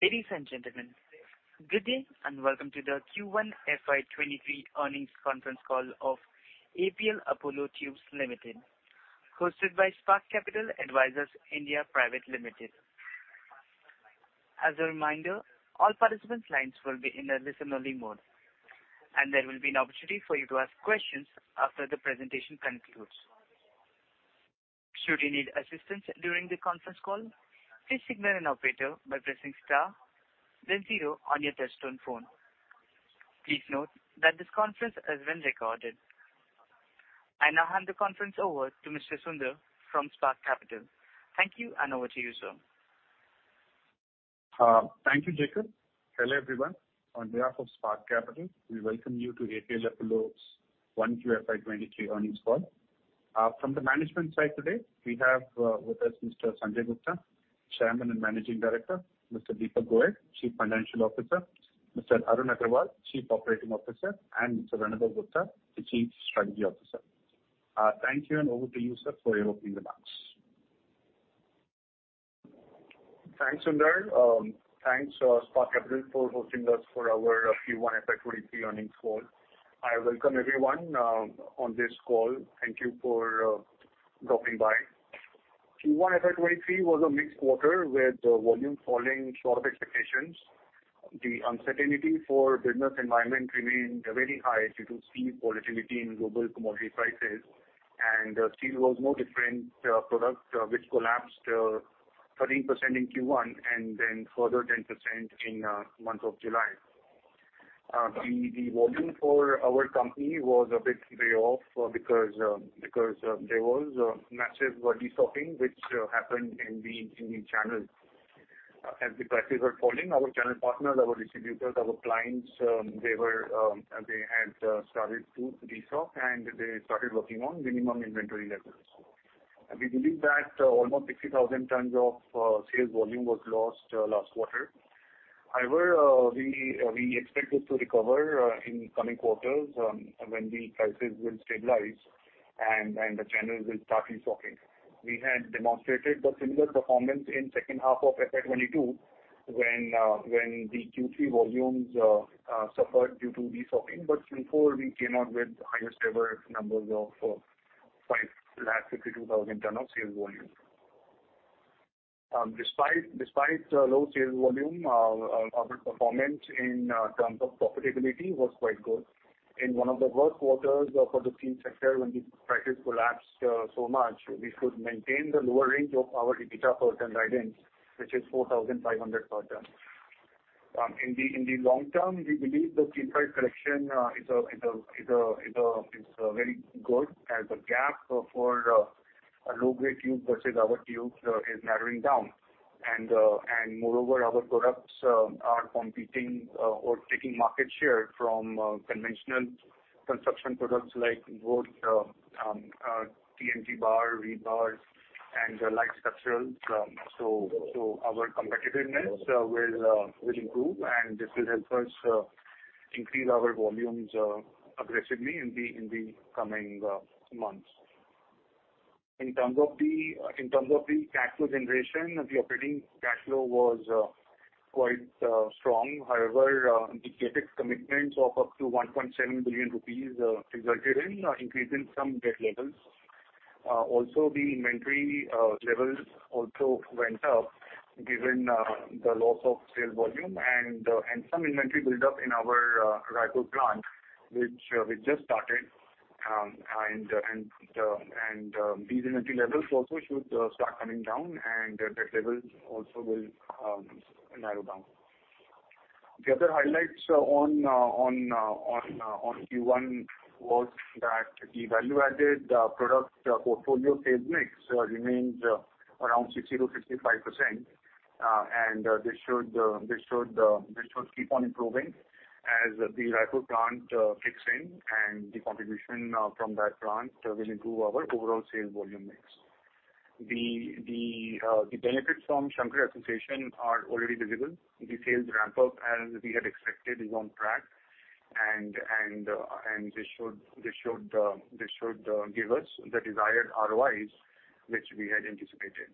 Ladies and gentlemen, good day, and welcome to the Q1 FY 2023 earnings conference call of APL Apollo Tubes Limited, hosted by Spark Capital Advisors (India) Private Limited. As a reminder, all participant lines will be in a listen-only mode, and there will be an opportunity for you to ask questions after the presentation concludes. Should you need assistance during the conference call, please signal an operator by pressing star then zero on your touchtone phone. Please note that this conference is being recorded. I now hand the conference over to Mr. Sundar from Spark Capital. Thank you, and over to you, sir. Thank you, Jacob. Hello, everyone. On behalf of Spark Capital, we welcome you to APL Apollo's 1Q FY 2023 earnings call. From the management side today, we have, with us Mr. Sanjay Gupta, Chairman and Managing Director, Mr. Deepak Goyal, Chief Financial Officer, Mr. Arun Agarwal, Chief Operating Officer, and Mr. Anubhav Gupta, the Chief Strategy Officer. Thank you, and over to you, sir, for opening remarks. Thanks, Sundar. Thanks, Spark Capital for hosting us for our Q1 FY 2023 earnings call. I welcome everyone on this call. Thank you for dropping by. Q1 FY 2023 was a mixed quarter with volume falling short of expectations. The uncertainty in the business environment remained very high due to steep volatility in global commodity prices. Steel was no different with prices collapsing 13% in Q1 and then further 10% in the month of July. The volume for our company was a bit below because there was massive destocking which happened in the channels. As the prices were falling, our channel partners, our distributors, our clients, they had started to destock, and they started working on minimum inventory levels. We believe that almost 60,000 tons of sales volume was lost last quarter. However, we expect this to recover in coming quarters when the prices will stabilize and the channels will start restocking. We had demonstrated the similar performance in second half of FY 2022 when the Q3 volumes suffered due to destocking. Q4 we came out with highest ever numbers of 552,000 tons of sales volume. Despite low sales volume, our performance in terms of profitability was quite good. In one of the worst quarters for the steel sector when the prices collapsed so much, we could maintain the lower range of our EBITDA per ton guidance, which is 4,500 per ton. In the long term, we believe the steel price correction is very good as the gap for a low-grade tube versus our tube is narrowing down. Moreover, our products are competing or taking market share from conventional construction products like both TMT bar, rebar and light structurals. Our competitiveness will improve, and this will help us increase our volumes aggressively in the coming months. In terms of the cash flow generation, the operating cash flow was quite strong. However, the CapEx commitments of up to 1.7 billion rupees resulted in increase in some debt levels. Also the inventory levels also went up given the loss of sales volume and some inventory build-up in our Raipur plant, which we just started, and these inventory levels also should start coming down and debt levels also will narrow down. The other highlights on Q1 was that the value-added product portfolio sales mix remains around 60%-65%. This should keep on improving as the Raipur plant kicks in, and the contribution from that plant will improve our overall sales volume mix. The benefits from Shankara association are already visible. The sales ramp-up, as we had expected, is on track. This should give us the desired ROIs which we had anticipated.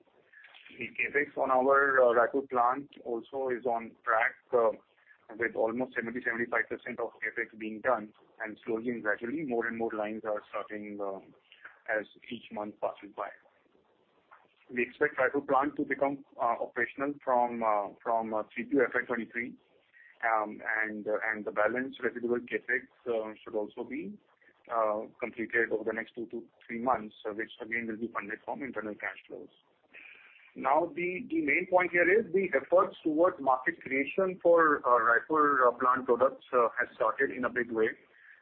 The CapEx on our Raipur plant also is on track with almost 75% of CapEx being done. Slowly and gradually, more and more lines are starting as each month passes by. We expect Raipur plant to become operational from Q2 FY 2023. The balance residual CapEx should also be completed over the next 2-3 months, which again, will be funded from internal cash flows. Now, the main point here is the efforts towards market creation for our Raipur plant products has started in a big way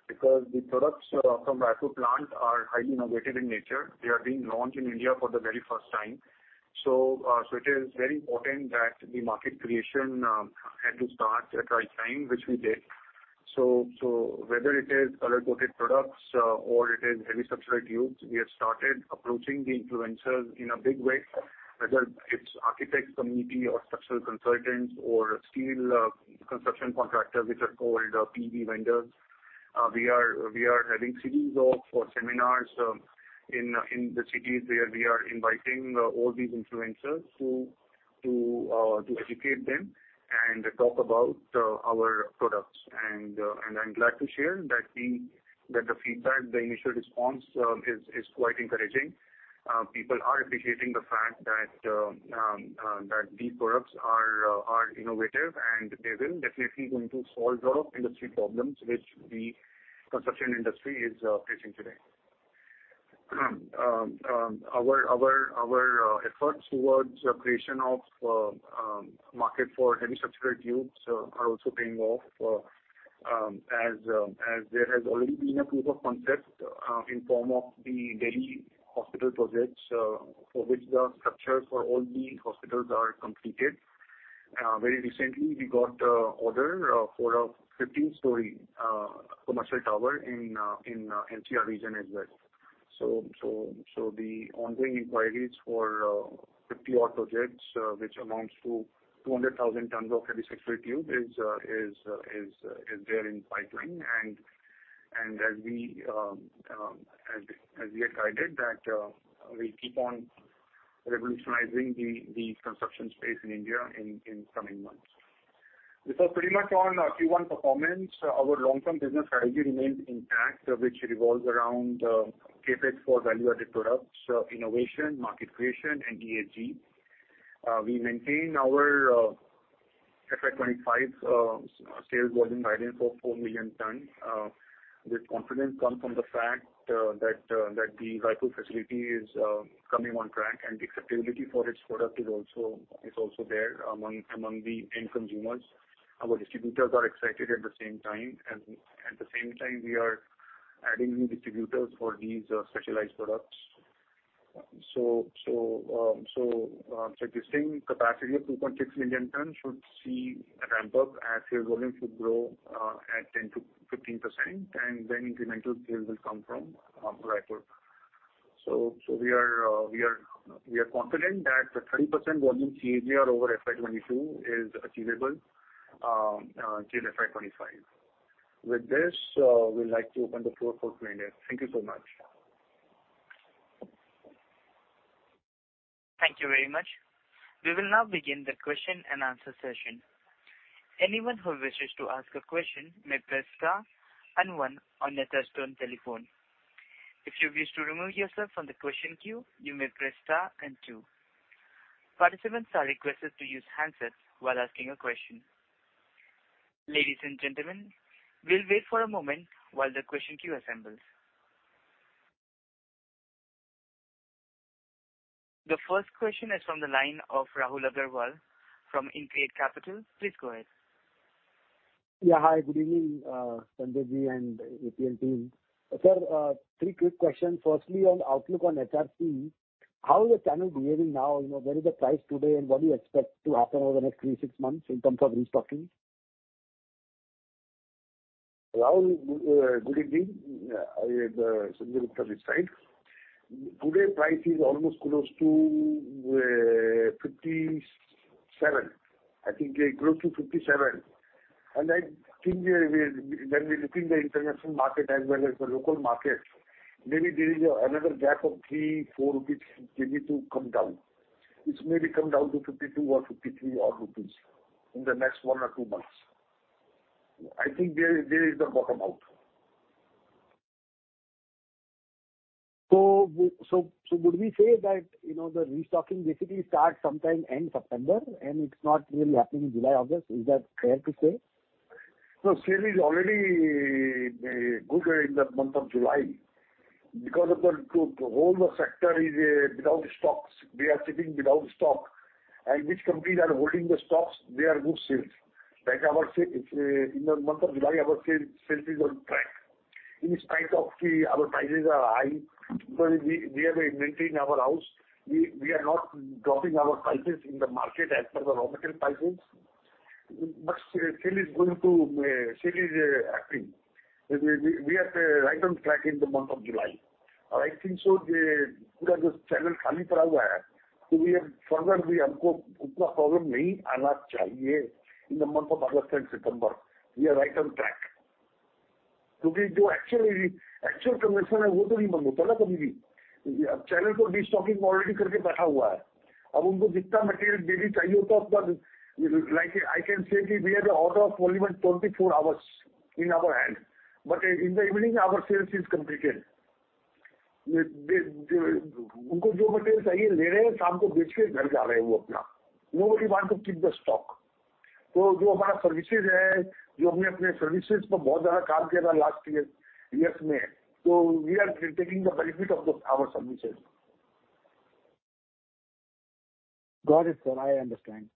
because the products from Raipur plant are highly innovative in nature. They are being launched in India for the very first time. It is very important that the market creation had to start at right time, which we did. Whether it is color-coated products or it is heavy structural tubes, we have started approaching the influencers in a big way, whether it's architect community or structural consultants or steel construction contractors which are called PEB vendors. We are having series of seminars in the cities where we are inviting all these influencers to educate them and talk about our products. I'm glad to share that the feedback, the initial response is quite encouraging. People are appreciating the fact that these products are innovative and they will definitely going to solve the industry problems which the construction industry is facing today. Our efforts towards the creation of market for Heavy Structural Tubes are also paying off. As there has already been a proof of concept in form of the Delhi hospital projects for which the structures for all the hospitals are completed. Very recently, we got order for a 15-story commercial tower in NCR region as well. The ongoing inquiries for 50-odd projects which amounts to 200,000 tons of Heavy Structural Tube is there in pipeline. As we guided that, we keep on revolutionizing the construction space in India in coming months. This was pretty much on our Q1 performance. Our long-term business strategy remains intact, which revolves around CapEx for value-added products, innovation, market creation, and ESG. We maintain our FY 2025 sales volume guidance of 4,000,000 tons. This confidence comes from the fact that the Raipur facility is coming on track, and acceptability for its product is also there among the end consumers. Our distributors are excited at the same time. At the same time, we are adding new distributors for these specialized products. Existing capacity of 2.6 million tons should see a ramp-up as sales volume should grow at 10%-15%, and then incremental sales will come from Raipur. We are confident that the 30% volume CAGR over FY 2022 is achievable till FY 2025. With this, we'd like to open the floor for Q&A. Thank you so much. Thank you very much. We will now begin the question-and-answer session. Anyone who wishes to ask a question may press star and one on your touchtone telephone. If you wish to remove yourself from the question queue, you may press star and two. Participants are requested to use handsets while asking a question. Ladies and gentlemen, we'll wait for a moment while the question queue assembles. The first question is from the line of Rahul Agarwal from InCred Capital. Please go ahead. Yeah. Hi. Good evening, Sanjay ji and APL team. Sir, three quick questions. Firstly, on outlook on HRC, how is the channel behaving now? You know, where is the price today, and what do you expect to happen over the next 3, 6 months in terms of restocking? Rahul, good evening. Sanjay Gupta this side. Today's price is almost close to 57. I think it grows to 57. I think we are when we're looking at the international market as well as the local market, maybe there is another gap of 3- 4 rupees maybe to come down. This may come down to 52 or 53 rupees in the next one or two months. I think there is the bottom out. Would we say that, you know, the restocking basically starts sometime end September, and it's not really happening in July, August? Is that fair to say? No, sale is already good in the month of July. Because the whole sector is without stocks. They are sitting without stock. Which company that are holding the stocks, they are good sales. Like our sales in the month of July, our sales is on track. In spite of our prices are high, we are maintaining our house. We are not dropping our prices in the market as per the raw material prices. Sales is happening. We are right on track in the month of July. I think so in the month of August and September. We are right on track. Like, I can say that we have the order of only 24 hours in our hand. In the evening our sales is completed. Nobody want to keep the stock. We are taking the benefit of the our services. Got it, sir. I understand.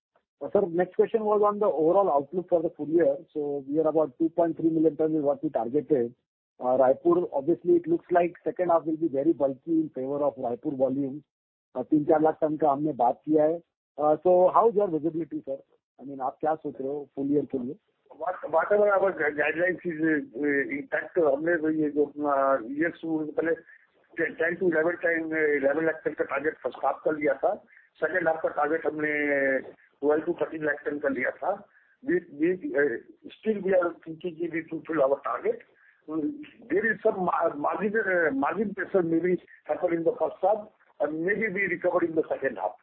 Sir, next question was on the overall outlook for the full year. We are about 2.3 million tons is what we targeted. Raipur, obviously it looks like second half will be very bulky in favor of Raipur volumes. How is your visibility, sir? I mean, full year? Whatever our guidance is, in fact 10-11 lakh tons ka target first half ka liye tha. Second half ka target humne 12-13 lakh ton ka liye tha. With still we are thinking we will fulfill our target. There is some margin pressure maybe happened in the first half and maybe we recover in the second half.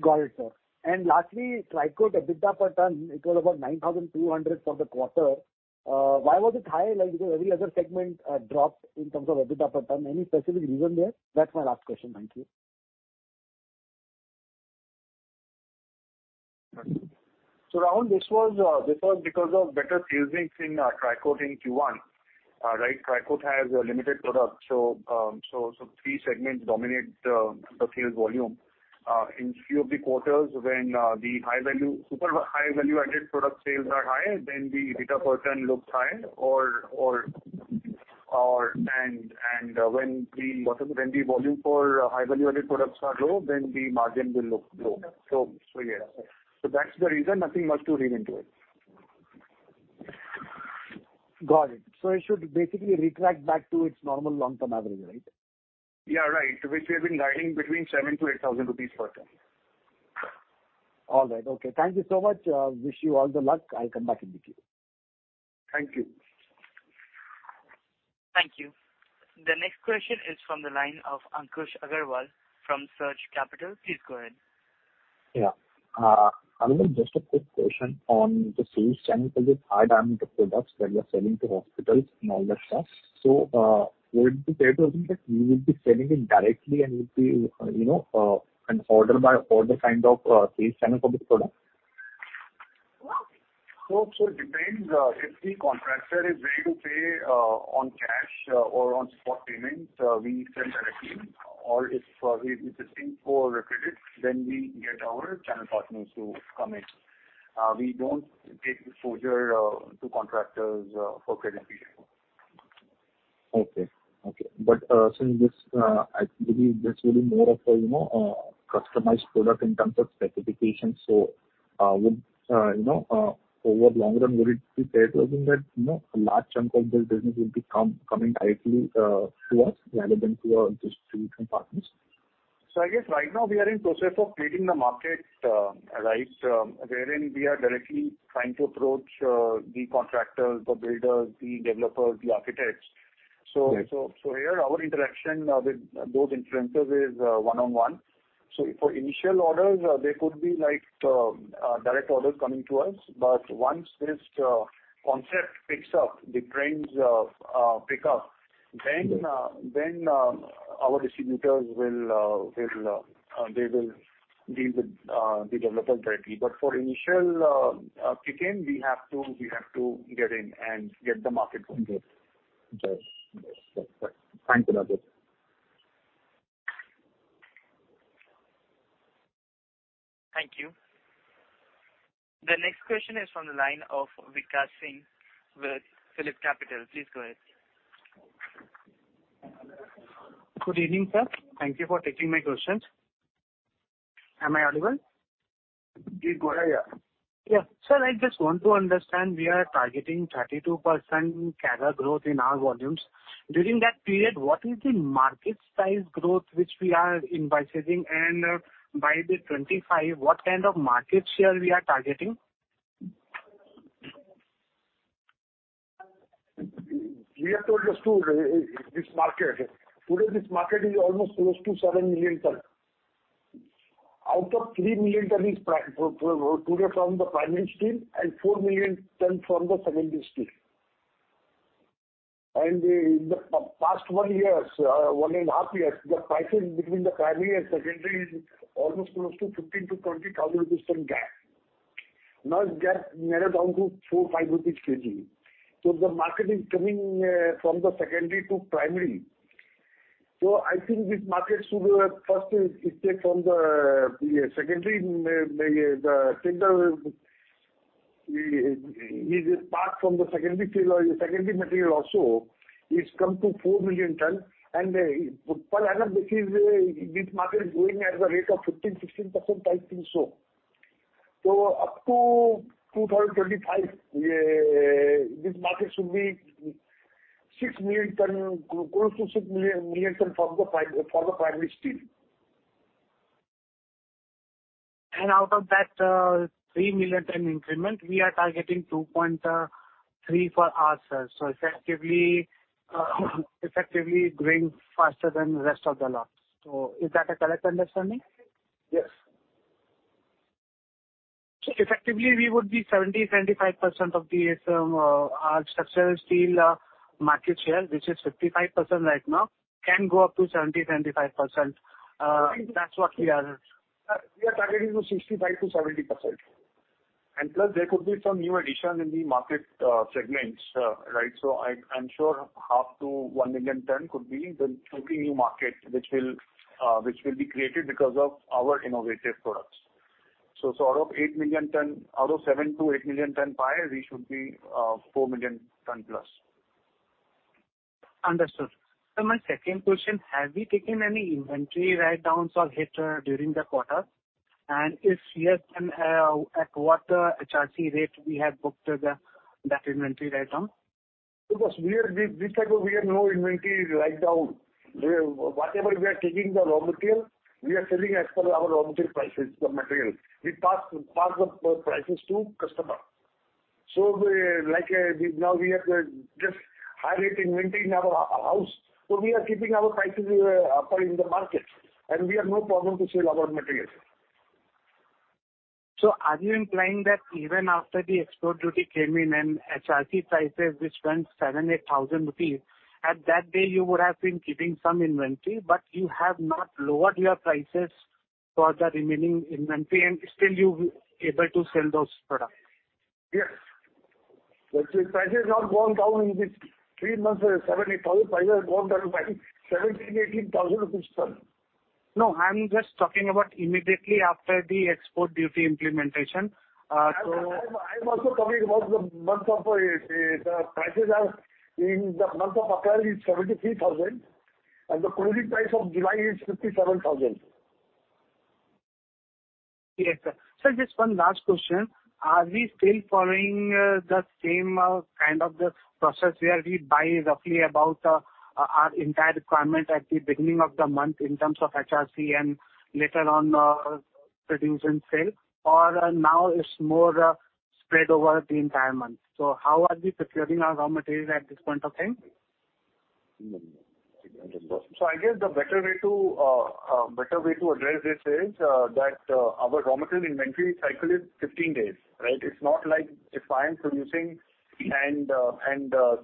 Got it, sir. Lastly, Tricoat EBITDA per ton, it was about 9,200 for the quarter. Why was it high? Like, because every other segment dropped in terms of EBITDA per ton. Any specific reason there? That's my last question. Thank you. Rahul, this was because of better sales mix in Tricoat in Q1, right? Tricoat has a limited product. Three segments dominate the sales volume. In few of the quarters when the high value, super high value-added product sales are high, then the EBITDA per ton looks high or. When the volume for high value-added products are low, then the margin will look low. Yeah. That's the reason. Nothing much to read into it. Got it. It should basically retract back to its normal long-term average, right? Yeah, right. Which we have been guiding between 7,000-8,000 rupees per ton. All right. Okay. Thank you so much. Wish you all the luck. I'll come back in the queue. Thank you. Thank you. The next question is from the line of Ankush Agrawal from Surge Capital. Please go ahead. Amit, just a quick question on the sales channel for this high diameter products that you are selling to hospitals and all that stuff. Would it be fair to assume that you will be selling it directly and it will be, you know, an order by order kind of sales channel for this product? It depends. If the contractor is ready to pay on cash or on spot payments, we sell directly, or if he's insisting for credit, then we get our channel partners to come in. We don't take exposure to contractors for credit period. Okay. Since this, I believe this will be more of a, you know, customized product in terms of specifications. Would you know, over longer term, would it be fair to assume that, you know, a large chunk of this business will be coming directly to us rather than through our distribution partners? I guess right now we are in process of creating the market, right? Wherein we are directly trying to approach the contractors, the builders, the developers, the architects. Okay. Here, our interaction with those influencers is one-on-one. For initial orders, there could be like direct orders coming to us. Once this concept picks up, the trends pick up, then our distributors will deal with the developers directly. For initial kick in, we have to get in and get the market going. Good. Yes. Yes. Okay. Thanks a lot. Thank you. The next question is from the line of Vikash Singh with PhillipCapital. Please go ahead. Good evening, sir. Thank you for taking my questions. Am I audible? Please go ahead, yeah. Yeah. Sir, I just want to understand, we are targeting 32% CAGR growth in our volumes. During that period, what is the market size growth which we are envisaging? By 2025, what kind of market share we are targeting? We have to understand this market. Today, this market is almost close to 7 million tons. Out of 3 million tons is today from the primary steel and 4 million tons from the secondary steel. The past 1.5 years, the pricing between the primary and secondary is almost close to 15,000-20,000 rupees ton gap. Now this gap narrowed down to 4 rupees or 5 rupees kg. The market is coming from the secondary to primary. I think this market should first take from the secondary, this entire is part from the secondary steel or secondary material also. It's come to 4 million tons. Per annum, this market is growing at the rate of 15%-16% type thing. Up to 2025, this market should be 6 million tons, close to 6 million tons for the primary steel. Out of that, 3 million tons increment, we are targeting 2.3 million tons for ourselves. Effectively growing faster than the rest of the lot. Is that a correct understanding? Yes. Effectively, we would be 70%-75% of our structural steel market share, which is 55% right now, can go up to 70%-75%. That's what we are. We are targeting 65%-70%. Plus there could be some new addition in the market segments, right? I'm sure half to one million tons could be the totally new market which will be created because of our innovative products. Out of 8 million tons, out of 7 million tons-8 million tons pie, we should be 4+ million tons. Understood. My second question, have we taken any inventory write-downs or hit during the quarter? If yes, then at what HRC rate we have booked the inventory right now. This time we have no inventory write-down. Whatever we are taking the raw material, we are selling as per our raw material prices, the material. We pass the prices to customer. Like, we now have just high rate inventory in our house. We are keeping our prices up in the market and we have no problem to sell our materials. Are you implying that even after the export duty came in and HRC prices, which went 7,000-8,000 rupees, at that day you would have been keeping some inventory, but you have not lowered your prices for the remaining inventory and still you able to sell those products? Yes. The price has not gone down in this three months. 7,000-8,000 prices have gone down by 17,000-18,000 rupees ton. No, I'm just talking about immediately after the export duty implementation. I'm also talking about the prices in the month of April is 73,000, and the closing price of July is 57,000. Yes, sir. Just one last question. Are we still following the same kind of the process where we buy roughly about our entire requirement at the beginning of the month in terms of HRC and later on produce and sell? Or now it's more spread over the entire month. How are we procuring our raw materials at this point of time? I guess the better way to address this is that our raw material inventory cycle is 15 days, right? It's not like if I am producing and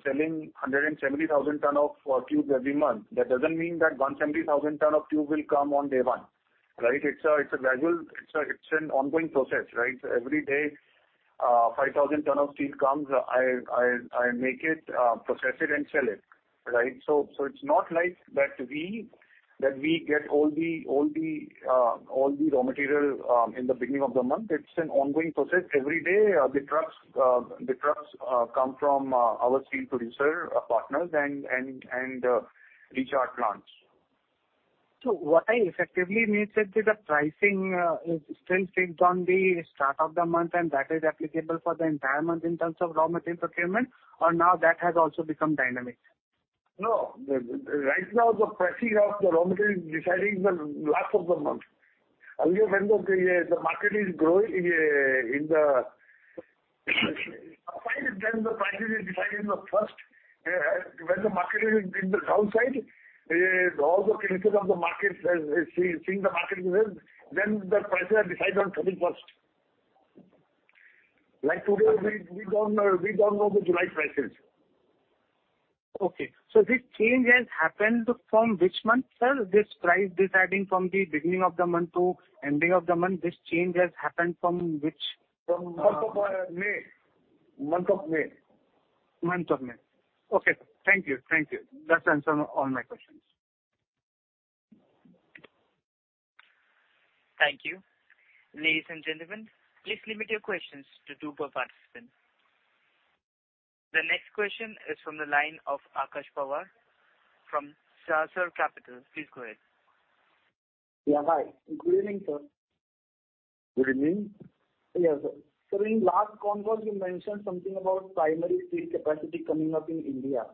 selling 170,000 tons of tubes every month, that doesn't mean that 170,000 tons of tubes will come on day one, right? It's an ongoing process, right? Every day, 5,000 tons of steel comes, I make it, process it and sell it, right? It's not like that we get all the raw material in the beginning of the month. It's an ongoing process. Every day, the trucks come from our steel producer partners and reach our plants. What I effectively mean, sir, is the pricing is still fixed on the start of the month, and that is applicable for the entire month in terms of raw material procurement, or now that has also become dynamic? No. Right now the pricing of the raw material is decided in the last of the month. Earlier when the market is growing, and then the pricing is decided in the first. When the market is in the downside, all the conditions of the markets is seeing the market movement, then the prices are decided on 31st. Like today, we don't know the July prices. This change has happened from which month, sir? This price deciding from the beginning of the month to ending of the month, this change has happened from which From month of May. Month of May. Okay. Thank you. Thank you. That answers all my questions. Thank you. Ladies and gentlemen, please limit your questions to two per participant. The next question is from the line of Akash Pawar from Sahasrar Capital. Please go ahead. Yeah, hi. Good evening, sir. Good evening. Yes, sir. In last conference you mentioned something about primary steel capacity coming up in India.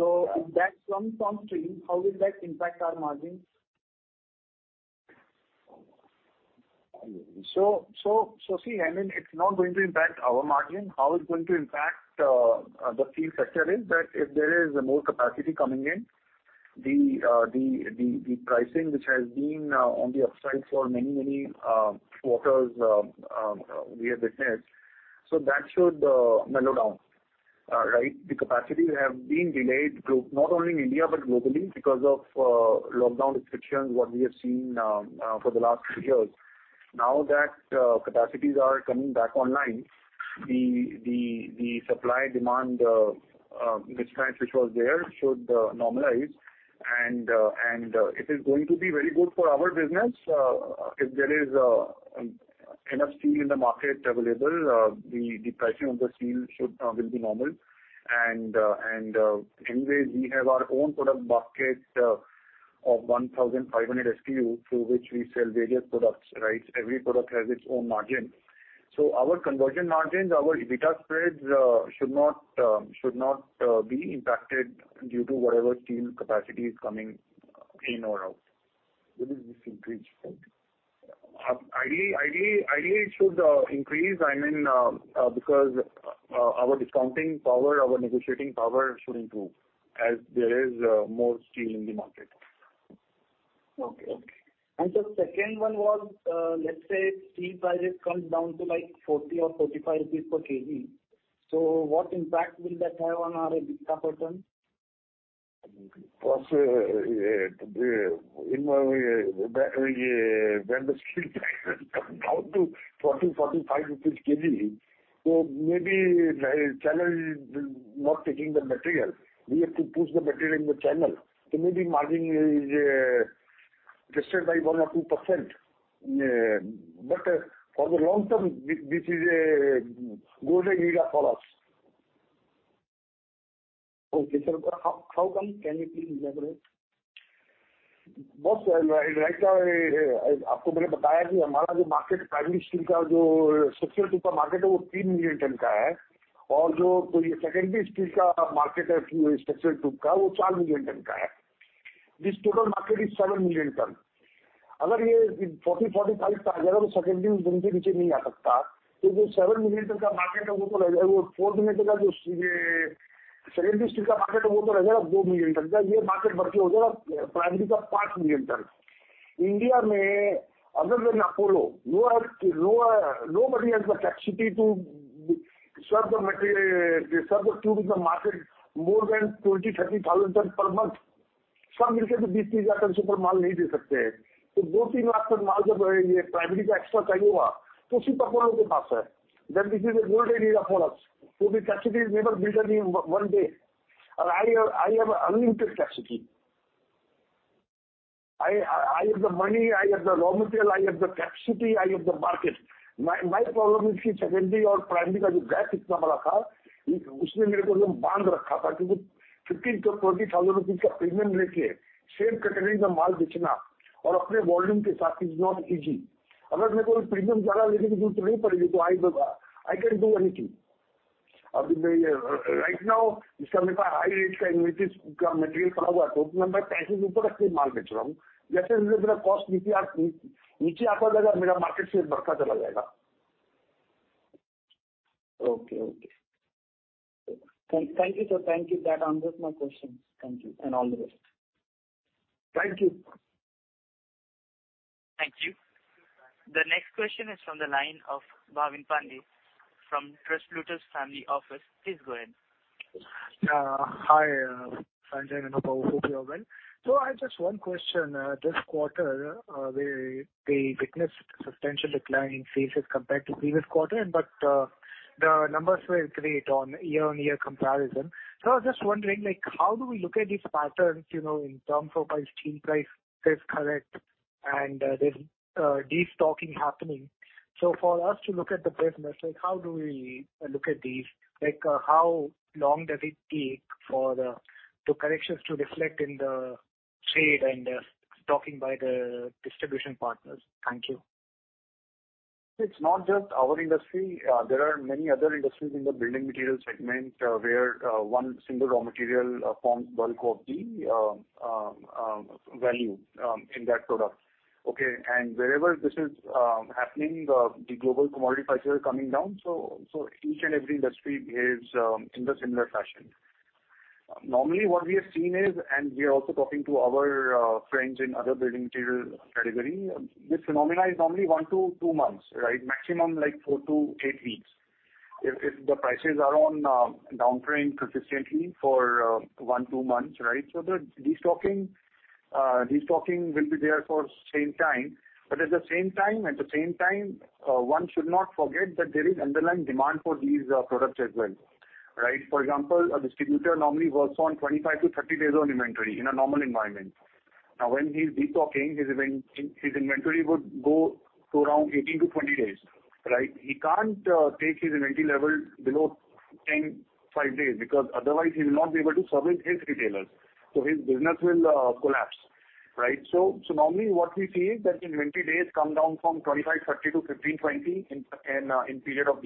If that comes on stream, how will that impact our margins? See, I mean, it's not going to impact our margin. How it's going to impact the steel sector is that if there is more capacity coming in, the pricing which has been on the upside for many quarters we have witnessed, so that should mellow down. Right? The capacity have been delayed not only in India but globally because of lockdown restrictions what we have seen for the last few years. Now that capacities are coming back online, the supply demand mismatch which was there should normalize and it is going to be very good for our business. If there is enough steel in the market available, the pricing of the steel will be normal, and anyways we have our own product basket of 1,500 SKUs through which we sell various products, right? Every product has its own margin. Our conversion margins, our EBITDA spreads should not be impacted due to whatever steel capacity is coming in or out. Will it decrease, right? Ideally, it should increase, I mean, because our discounting power, our negotiating power should improve as there is more steel in the market. The second one was, let's say steel prices comes down to like 40 or 45 rupees per kg. What impact will that have on our EBITDA %? Plus, anyway, back when the steel prices come down to 40- 45 rupees per kg, so maybe my channel is not taking the material. We have to push the material in the channel, so maybe margin is tested by 1% or 2%. For the long term, this is a golden era for us. Okay, sir. How come? Can you please elaborate? Boss, right now, aapko maine bataya ki hamara jo market primary steel ka jo structural tube ka market hai woh 3 million tons ka hai. Jo ye secondary steel ka market hai structural tube ka woh 4 million tons ka hai. This total market is 7 million tons. Agar ye 40-45 tak ajayega secondary un dono ke peeche nahi aa sakta. Toh jo 7 million tons ka market hai woh toh reh jayega. Woh four million tons ka jo ye secondary steel ka market hai woh toh reh jayega 2 million tons ka. Ye market badke ho jayega primary ka 5 million tons. India mein agar dekhen Apollo, no one, nobody has the capacity to serve the material, serve the tube to the market more than 20,000-30,000 tons per month. Sab milkar bhi 20,000-30,000 tons se upar maal nahi de sakte hai. Toh 200,000-300,000 tons maal jo ye primary ka extra chahiye hoga woh sirf APL Apollo ke pass hai. This is a gold area of ours. The capacity is never built in one day. I have an unlimited capacity. I have the money, I have the raw material, I have the capacity, I have the market. My problem is ki secondary aur primary ka jo gap itna bada tha, usne mere ko ekdam bandh rakha tha kyunki INR 15,000-INR 20,000 ka premium leke same category ka maal bechna aur apne volume ke saath is not easy. Agar mere ko woh premium zyada lene ki zarurat nahi padegi toh I can do anything. Ab ye, right now iska mere paas high rate ka inventories ka material khada hua hai. Toh usme main paison se upar apne maal bech raha hun. Jaise hi mera cost neeche aa, neeche aata jayega mera market share badta chala jayega. Okay. Thank you, sir. Thank you. That answers my questions. Thank you, and all the best. Thank you. Thank you. The next question is from the line of Bhavin Pandey from TrustPlutus Family Office. Please go ahead. Hi, Sanjay and Anubhav. Hope you are well. I've just one question. This quarter, we witnessed substantial decline in sales as compared to previous quarter, but the numbers were great on year-on-year comparison. I was just wondering, like, how do we look at these patterns, you know, in terms of steel prices correcting and there's destocking happening. For us to look at the business, like how do we look at these? Like, how long does it take for the corrections to reflect in the trade and stocking by the distribution partners? Thank you. It's not just our industry. There are many other industries in the building material segment where one single raw material forms bulk of the value in that product. Okay. Wherever this is happening, the global commodity prices are coming down. So each and every industry behaves in the similar fashion. Normally, what we have seen is, we are also talking to our friends in other building material category, this phenomenon is normally one to two months, right? Maximum like four to eight weeks. If the prices are on down trend consistently for one, two months, right? So the destocking will be there for same time. At the same time, one should not forget that there is underlying demand for these products as well, right? For example, a distributor normally works on 25-30 days on inventory in a normal environment. Now, when he's destocking, his inventory would go to around 18-20 days, right? He can't take his inventory level below 10-5 days because otherwise he will not be able to service his retailers. His business will collapse, right? Normally what we see is that inventory days come down from 25-30 days to 15-20 days in period of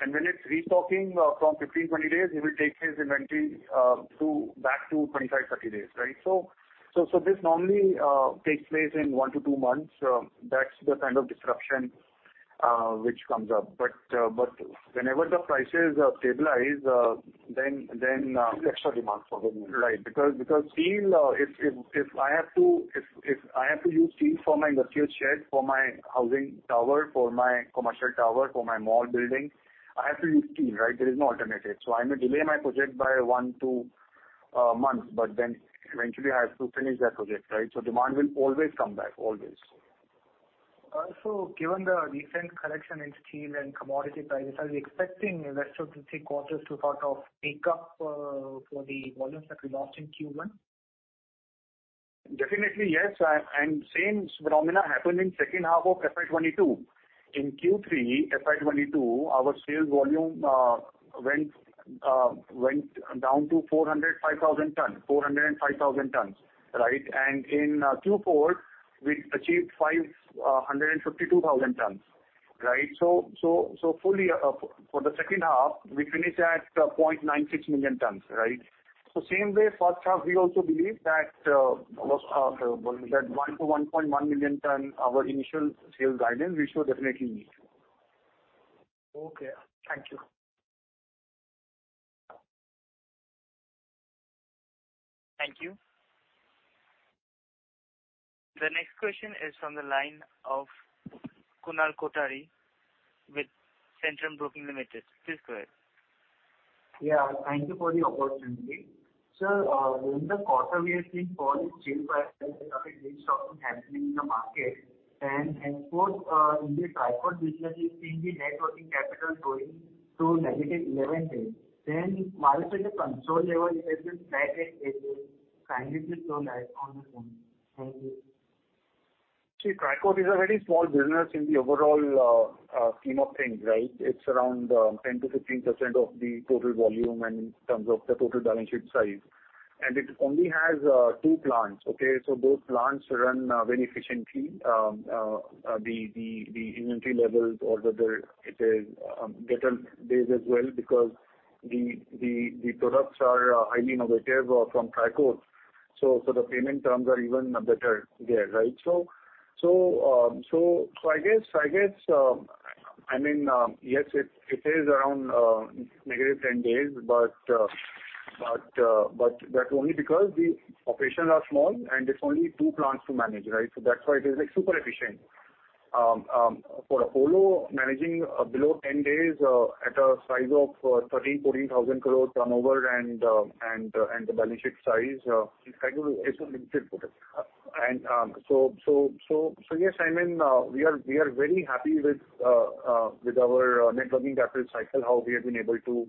destocking. When it's restocking, from 15-20 days, he will take his inventory to back to 25-30 days, right? This normally takes place in 1-2 months. That's the kind of disruption which comes up. Whenever the prices stabilize, then. There's extra demand for them. Right. Because steel, if I have to use steel for my industrial shed, for my housing tower, for my commercial tower, for my mall building, I have to use steel, right? There is no alternative. I may delay my project by one, two months, but then eventually I have to finish that project, right? Demand will always come back. Always. Given the recent correction in steel and commodity prices, are we expecting rest of the three quarters to sort of make up for the volumes that we lost in Q1? Definitely, yes. Same phenomena happened in second half of FY 2022. In Q3 FY 2022, our sales volume went down to 405,000 tons, right? In Q4, we achieved 552,000 tons, right? Fully for the second half, we finished at 0.96 million tons, right? Same way, first half, we also believe that, what was that? 1-1.1 million ton, our initial sales guidance we should definitely meet. Okay. Thank you. Thank you. The next question is from the line of Kunal Kothari with Centrum Broking Limited. Please go ahead. Yeah, thank you for the opportunity. Sir, during the quarter we have seen falling steel prices and a lot of destocking happening in the market. For the product business, we've seen the net working capital going to negative 11 days. Margin at the consolidated level has been flat at 8 days. Kindly please throw light on the same. Thank you. See, Tricoat is a very small business in the overall scheme of things, right? It's around 10%-15% of the total volume and in terms of the total balance sheet size. It only has two plants, okay. Those plants run very efficiently. The inventory levels or whether it is debtor days as well because the products are highly innovative offerings from Tricoat, so the payment terms are even better there, right? I guess, I mean, yes, it is around negative 10 days. But that's only because the operations are small, and it's only two plants to manage, right? That's why it is like super efficient. For Apollo managing below 10 days at a size of 13,000 crore-14,000 crore turnover and the balance sheet size, it's like it's a little bit better. Yes, I mean, we are very happy with our working capital cycle, how we have been able to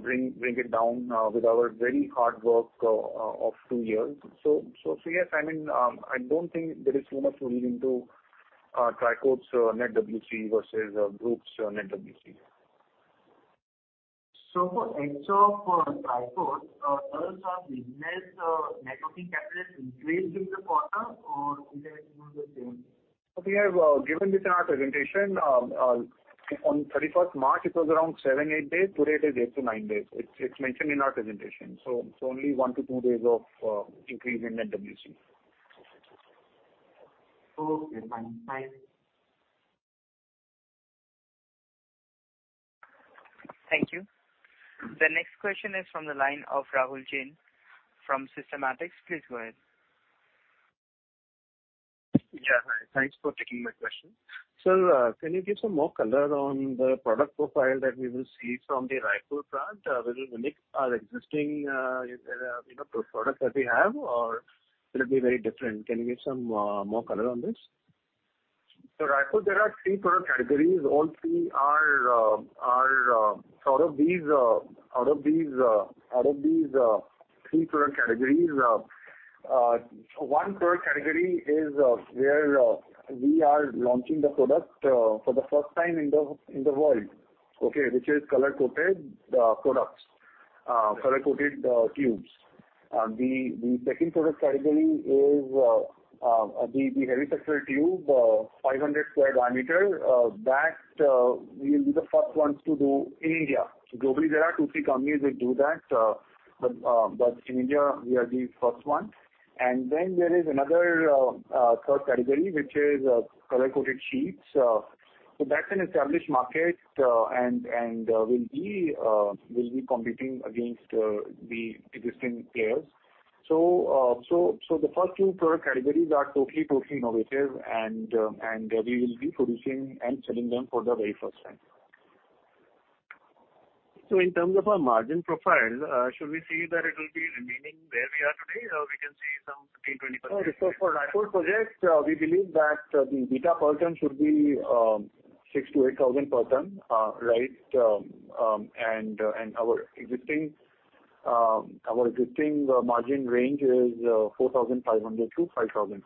bring it down with our very hard work of two years. Yes, I mean, I don't think there is enough to read into Tricoat's net WC versus group's net WC. For example, for Tricoat, does our business working capital increase in the quarter or it remains the same? We have given this in our presentation. On March 31, it was around 7-8 days. Today it is 8-9 days. It's mentioned in our presentation. Only 1-2 days of increase in net WC. Okay, fine. Thanks. Thank you. The next question is from the line of Rahul Jain from Systematix. Please go ahead. Yeah, hi. Thanks for taking my question. Can you give some more color on the product profile that we will see from the Raipur plant? Will it be like our existing, you know, products that we have or will it be very different? Can you give some more color on this? Raipur, there are three product categories. All three are sort of these, out of these three product categories, one product category is where we are launching the product for the first time in the world, which is Color Coated products, Color Coated Tubes. The second product category is the Heavy Structural Tube, 500 square diameter. That we'll be the first ones to do in India. Globally, there are two, three companies which do that, but in India, we are the first one. Then there is another third category, which is Color Coated Sheets. That's an established market, and we'll be competing against the existing players. The first two product categories are totally innovative and we will be producing and selling them for the very first time. In terms of our margin profile, should we see that it will be remaining where we are today or we can see some 15%-20%? For Raipur project, we believe that the EBITDA per ton should be 6,000-8,000 per ton, right? Our existing margin range is 4,500- 5,000 per ton.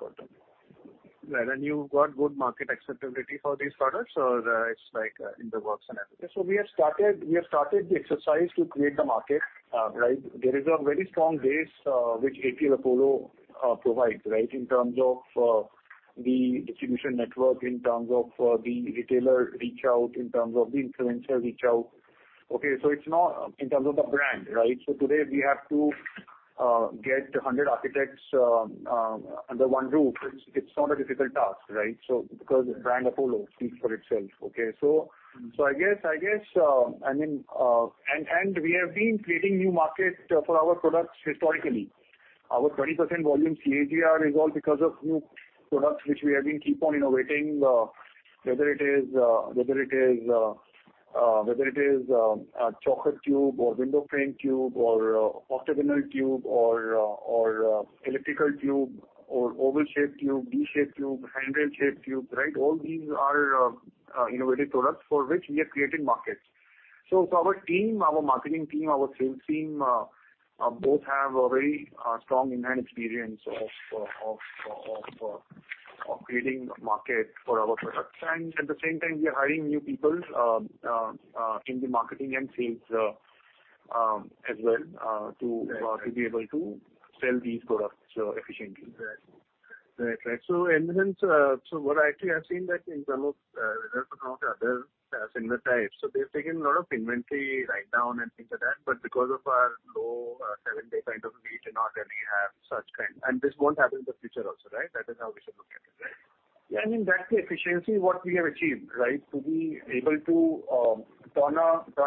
You've got good market acceptability for these products, or it's like in the works and everything? We have started the exercise to create the market, right. There is a very strong base which APL Apollo provides, right? In terms of the distribution network, in terms of the retailer reach out, in terms of the influencer reach out. It's not in terms of the brand, right? Today we have to get 100 architects under one roof. It's not a difficult task, right? Because brand Apollo speaks for itself. We have been creating new market for our products historically. Our 20% volume CAGR is all because of new products which we have been keep on innovating, whether it is a choker tube or window frame tube or octagon tube or electrical tube or oval shape tube, D-shaped tube, handle-shaped tube, right? All these are innovative products for which we are creating markets. For our team, our marketing team, our sales team, both have a very strong in-hand experience of creating market for our products. At the same time, we are hiring new people in the marketing and sales as well to be able to sell these products efficiently. Right. What I actually have seen that in terms of results announced other similar types. They've taken a lot of inventory write down and things like that. Because of our low seven-day kind of lead and order, we have such kind. This won't happen in the future also, right? That is how we should look at it, right? Yeah. I mean, that's the efficiency what we have achieved, right? To be able to turn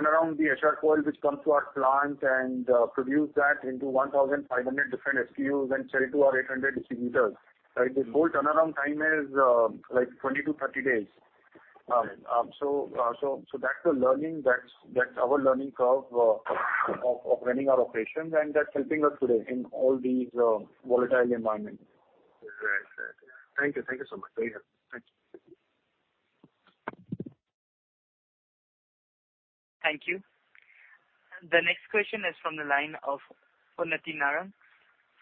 around the HR coil which comes to our plant and produce that into 1,500 different SKUs and sell to our 800 distributors, right? The whole turnaround time is like 20-30 days. That's the learning. That's our learning curve of running our operations, and that's helping us today in all these volatile environments. Right. Thank you so much. Pleasure. Thank you. The next question is from the line of [Pranati Narang]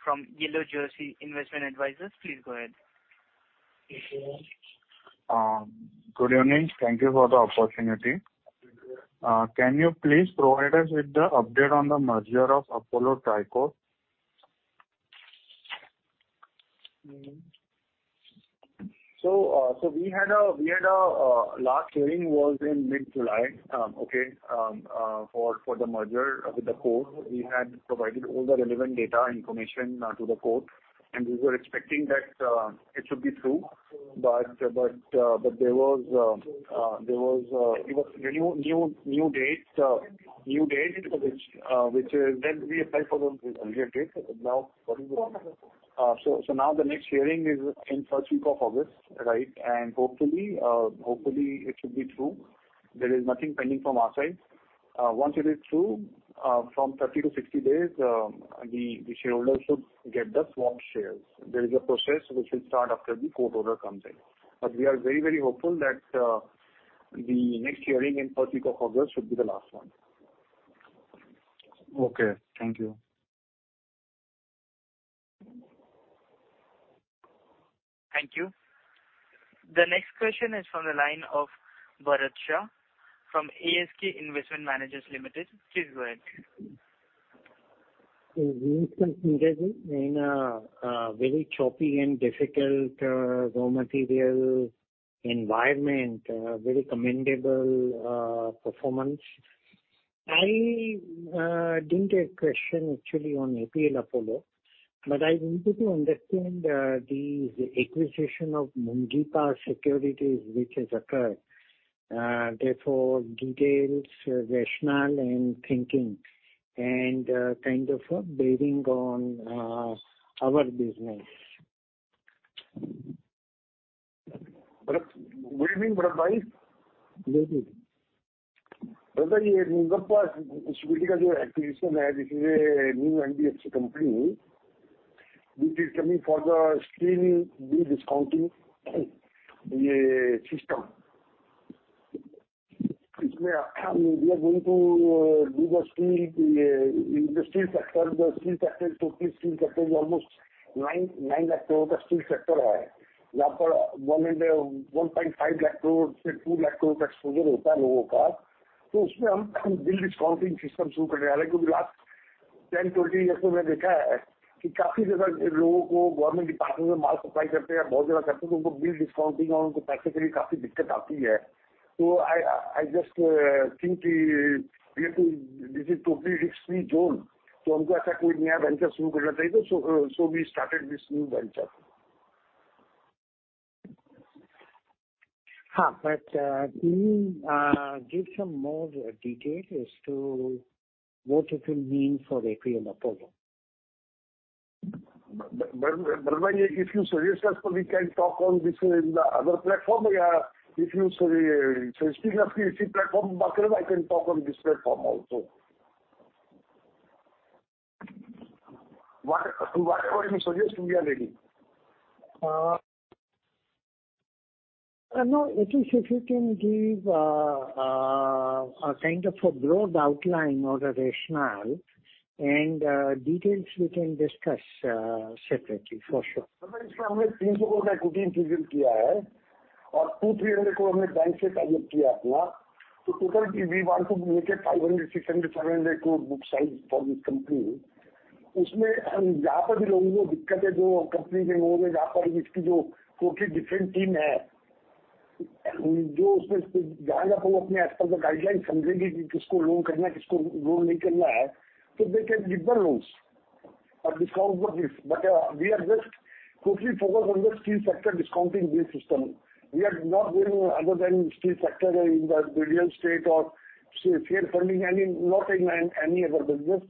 from Yellow Jersey Investment Advisors. Please go ahead. Good evening. Thank you for the opportunity. Can you please provide us with the update on the merger of Apollo Tricoat? We had a last hearing was in mid-July for the merger with the court. We had provided all the relevant data information to the court, and we were expecting that it should be through. There was a new date which then we applied for the earlier date. Now what is it? The next hearing is in first week of August, right? Hopefully it should be through. There is nothing pending from our side. Once it is through, from 30-60 days, the shareholder should get the swapped shares. There is a process which will start after the court order comes in. We are very, very hopeful that the next hearing in first week of August should be the last one. Okay. Thank you. Thank you. The next question is from the line of Bharat Shah from ASK Investment Managers Limited. Please go ahead. Good evening, Sanjay ji. In a very choppy and difficult raw material environment, very commendable performance. I didn't get a question actually on APL Apollo, but I wanted to understand the acquisition of Moongipa Securities which has occurred. Therefore, the details, rationale and thinking and kind of the bearing on our business. Bharat, Good evening, Bharat bhai. Good evening. Bharat Shah, Moongipa Securities acquisition, this is a new NBFC company which is coming for the steel bill discounting system. It's we are going to do the steel in the steel sector. The steel sector, total steel sector is almost 9 crore steel sector. Now, 1.5 lakh crore-2 lakh crore exposure. I just think this is totally risk-free zone. We started this new venture. Yes, can you give some more detail as to what it will mean for APL Apollo? Bharat bhai, if you suggest us, so we can talk on this in the other platform. Yeah. If you suggest us this platform, Bharat, I can talk on this platform also. Whatever you suggest, we are ready. No. It is, if you can give a kind of broad outline or a rationale, and details we can discuss separately for sure. Bharat bhai, in this we have INR 300 crore equity infusion and INR 200 crore-INR 300 crore we have collected from the bank. Total we want to make it INR 500 crore-INR 700 crore book size for this company. In that, wherever people have problems, which company can go, wherever its totally different team is, which will understand the guidelines as per itself, that whom to loan, whom not to loan, so they can give the loans or discount the risk. We are just totally focused on the steel sector discounting bill system. We are not going other than steel sector in the real estate or share funding. I mean, not in any other business.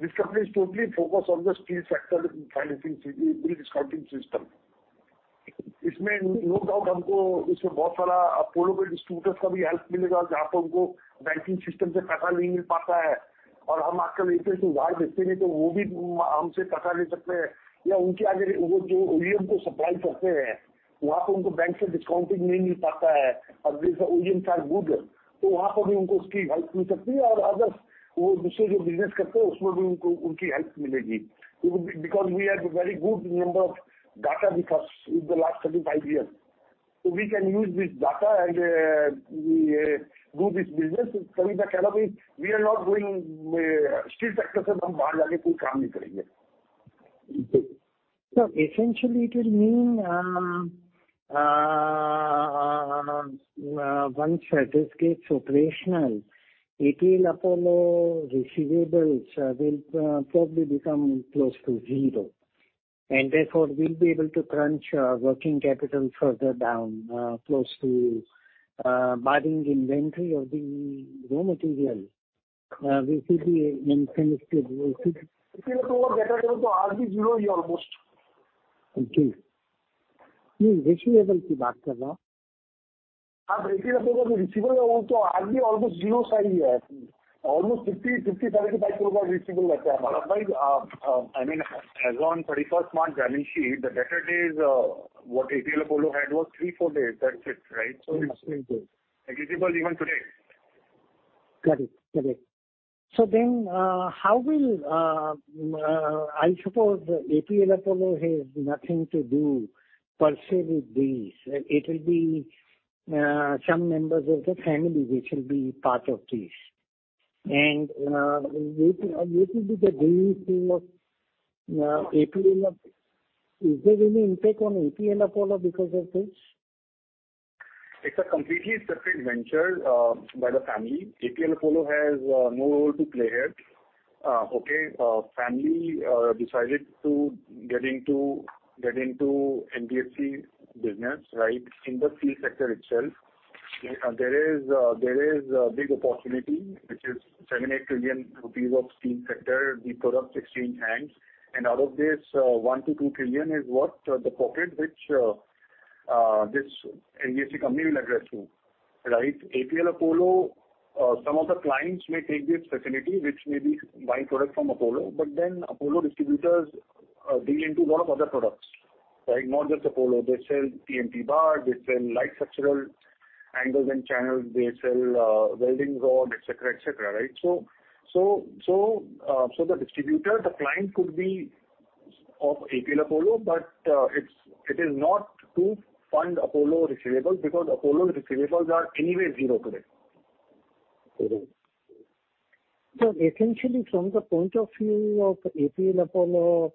This company is totally focused on the steel sector financing bill discounting system. In this, no doubt, we will get a lot of help from Apollo distributors as well, where they are not able to get money from the banking system. If we come and sell the goods here, then they can also take money from us. The OEMs they supply to, there they are not able to get discounting from the bank. If the OEMs are good, then they can also get their help there. If they do other business, they will also get their help. Because we have a very good number of data with us in the last 35 years. We can use this data and we do this business. That's why I'm saying we are not going steel sector, we will not go out and do any work. Essentially, it will mean once that gets operational, APL Apollo receivables will probably become close to zero. Therefore we'll be able to crunch working capital further down, close to barring inventory of the raw material. This is the main benefit we'll see. APL Apollo debt will be hardly zero almost. Okay. You're talking about receivables? Yes, APL Apollo receivables will be hardly almost zero, sir. Almost INR 50, crore-1NR 55 crore receivables are there. Bharat Shah, I mean, as on 31st March balance sheet, the debtor days what APL Apollo had was 3-4 days. That's it, right? Yes. Receivables even today. Got it. I suppose APL Apollo has nothing to do per se with this. It will be some members of the family which will be part of this. Is there any impact on APL Apollo because of this? It's a completely separate venture by the family. APL Apollo has no role to play here. Family decided to get into NBFC business, right? In the steel sector itself, there is a big opportunity, which is 7 trillion-8 trillion rupees of steel sector. We put up 16 plants, and out of this, 1 trillion-2 trillion is what the pocket which this NBFC company will address to, right? APL Apollo, some of the clients may take this facility, which may be buying products from Apollo, but then Apollo distributors deal into lot of other products, right? Not just Apollo. They sell TMT bar, they sell light structural angles and channels, they sell welding rod, etc., etc., right? The distributor, the client could be of APL Apollo, but it is not to fund Apollo receivables because Apollo's receivables are anyway zero today. Essentially from the point of view of APL Apollo,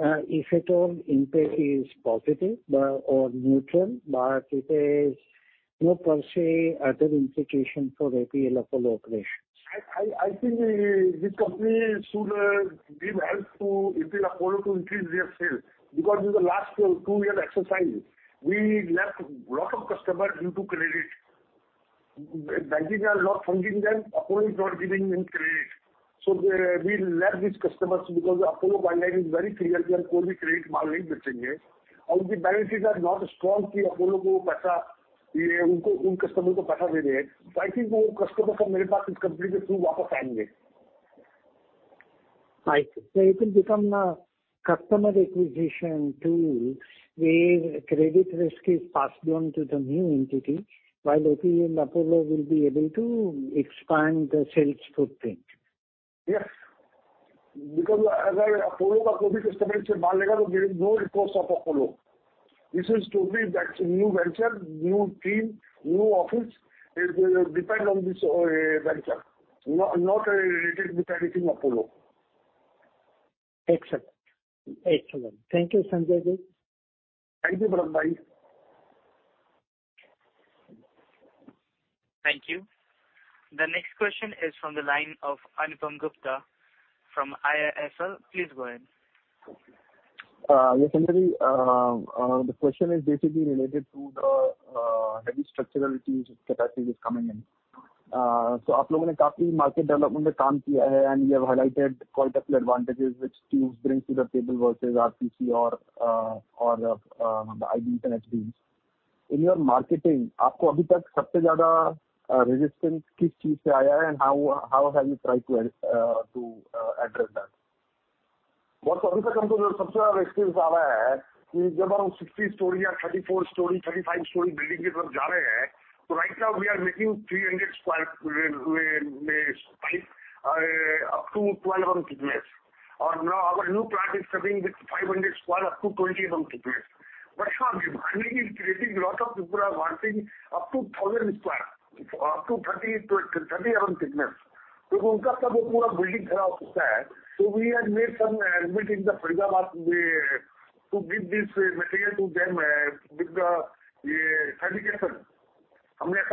if at all impact is positive or neutral, but it is no per se other implication for APL Apollo operations. I think this company should give help to APL Apollo to increase their sales, because in the last two year exercise, we left lot of customers due to credit. Banks are not funding them. Apollo is not giving them credit. We left these customers because Apollo policy is very clear, we are credit-free. It will become a customer acquisition tool where credit risk is passed on to the new entity, while APL Apollo will be able to expand the sales footprint. Yes. As Apollo, the customer said Excellent. Excellent. Thank you, Sanjay ji. Thank you, Bharat bhai. Thank you. The next question is from the line of Anupam Gupta from IIFL. Please go ahead. Yes, Sanjay ji. The question is basically related to the heavy structural which capacity is coming in. Right now we are making 300 square up to 12 mm thickness. Now our new plant is coming with 500 square up to 20 mm thickness. Yeah, the market is creating lot of people are wanting up to 1,000 square, up to 30 mm thickness. We have made some arrangement in the Faridabad to give this material to them with the fabrication. 200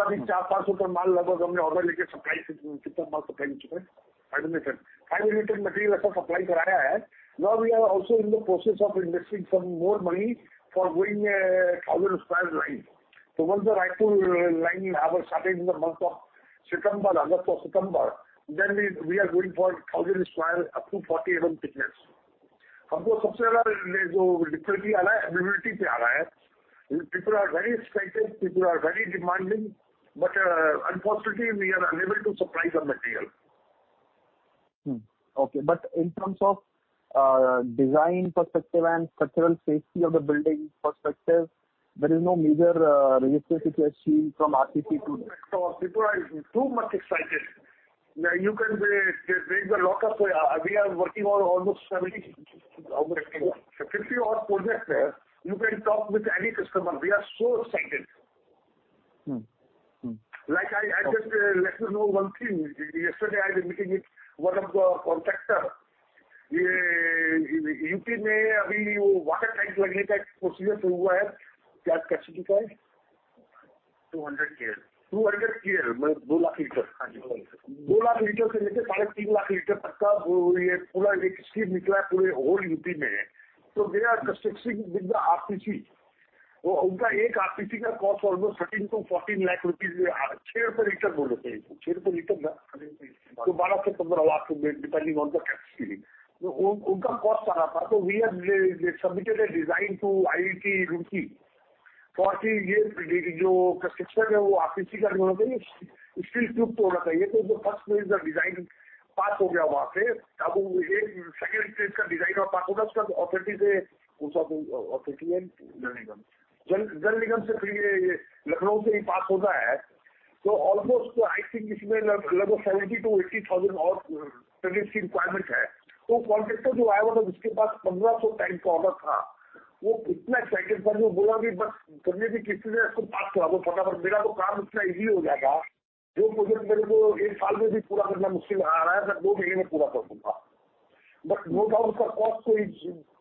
KL. 200 KL. Yes. They are constructing with the RCC. Depending on the capacity. We have submitted a design to IIT Roorkee for the construction of RCC. It is the first phase of design pass ho gaya wahan se. Ab wo ek second stage ka design pass hota hai uska authority se, usko authority hai Jal Nigam. Jal Nigam se phir ye Lucknow se hi pass hota hai. तो almost I think isme lagbhag 70,000-80,000 aur tonnage ki requirement hai. Woh contractor jo aaya tha na uske pass 1,500 ton ka order tha. Woh itna excited tha jo bola ki bas company ki kisi se isko pass karado fatafat. Mera toh kaam itna easy ho jayega. Jo project mere ko ek saal mein bhi pura karna mushkil hai, main do mahine mein pura kar dunga. No doubt uska cost koi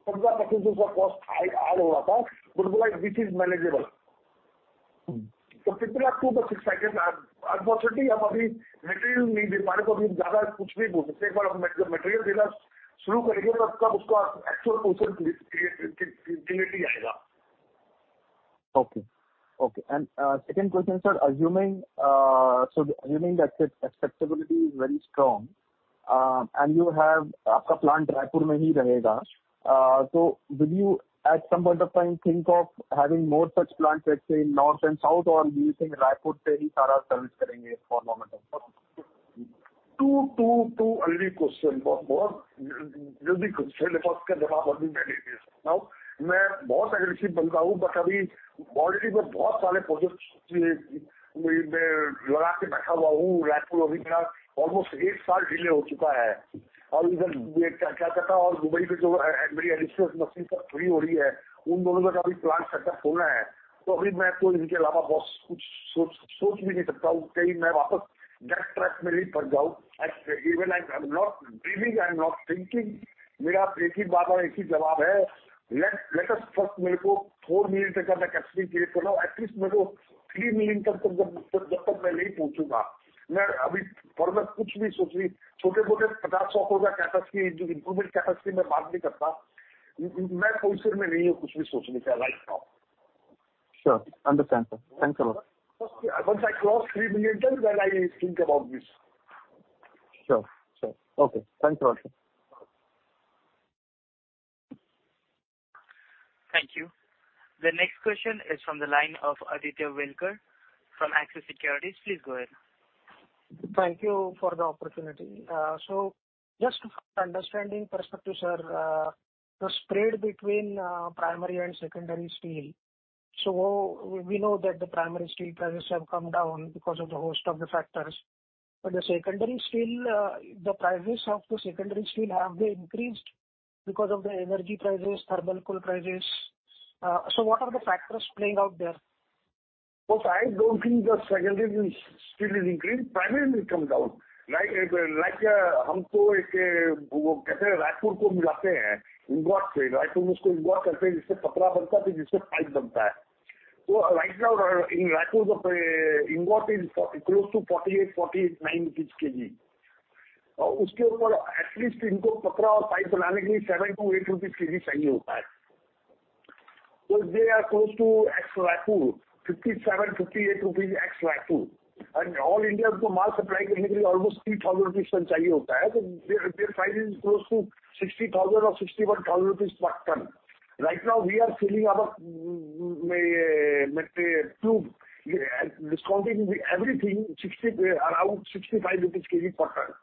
15% uska cost high add ho raha tha. Bola which is manageable. Toh kitna too excited I am. Our facility abhi material nahi mil pa raha, toh abhi zyada kuch nahi bol sakte. Ek baar hum material dena shuru karenge tab uska actual position clearly aayega. Okay, okay. Second question, sir. Assuming that acceptability is very strong, and you have aapka plant Raipur mein hi rahega. Will you at some point of time think of having more such plants, let's say in north and south? Or do you think Raipur se hi saara service karenge for now and then? That's a very good question. Bahut jaldi first ka jawab aapko main de sakta hu. Main bahut aggressive banda hu but abhi already main bahut saare projects liye, main laga ke baitha hua hu. Raipur abhi mera almost ek saal delay ho chuka hai. Aur idhar ye Kolkata aur Dubai mein jo meri additional machines free ho rahi hai. Un dono ka bhi plant setup hona hai. Toh abhi main to inke alawa bahut kuch soch nahi sakta hu ki main wapas that track mein phir pak jaun. Even I am not dreaming, I am not thinking. Mera ek hi baat aur ek hi jawab hai. Let us first mere ko 4 million ton ka capacity create karau. At least mere ko 3 million ton tak main nahi pahunchunga. Main abhi further kuch bhi soch nahi, chhote mote 50,000 capacity, improvement capacity main baat nahi karta. Main position mein nahi hu kuch bhi sochne ka right now. Sure. Understand, sir. Thanks a lot. Once I cross 3 million tons then I think about this. Sure, sure. Okay. Thanks a lot, sir. Thank you. The next question is from the line of Aditya Welekar from Axis Securities. Please go ahead. Thank you for the opportunity. Just for understanding perspective, sir, the spread between primary and secondary steel. We know that the primary steel prices have come down because of a host of factors. The secondary steel prices, have they increased because of the energy prices, thermal coal prices? What are the factors playing out there? Boss, I don't think the secondary steel is increased. Primary will come down. Like hum toh ek woh kaise Raipur ko milate hai ingot se. Raipur mein usko ingot karte hai jisse patra banta hai phir jisse pipe banata hai. Toh right now in Raipur the ingot is close to INR 48-49/kg. Uske upar at least inko patra aur pipe banane ke liye 7-8 INR/kg chahiye hota hai. They are close to ex-Raipur 57-58 rupees ex-Raipur. All India usko maal supply karne ke liye almost INR 3,000/ton chahiye hota hai. Toh their price is close to 60,000 or 61,000 per ton. Right now we are selling our tube discounting everything 60, around 65 INR/kg per ton.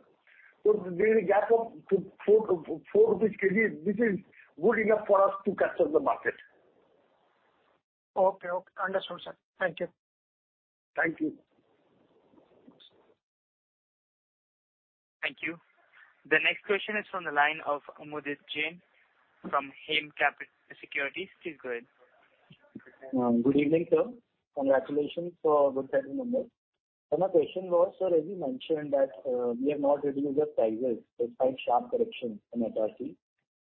There is a gap of 4 INR/kg. This is good enough for us to capture the market. Okay. Understand, sir. Thank you. Thank you. Thank you. The next question is from the line of Mudit Jain from Hem Securities. Please go ahead. Good evening, sir. Congratulations for good set of numbers. Sir, my question was, sir, as you mentioned that we have not reduced the prices despite sharp correction in metal steel.